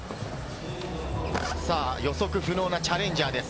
予測不能なチャレンジャーです。